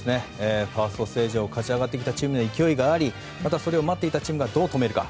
ファーストステージを勝ち上がってきたチームの勢いがありまたそれを待っていたチームはどう止めるか。